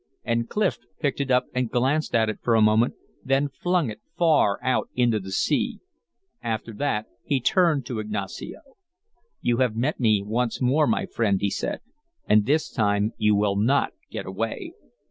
And Clif picked it up and glanced at it for a moment, then flung it far out into the sea. After that he turned to Ignacio. "You have met me once more, my friend," he said, "and this time you will not get away."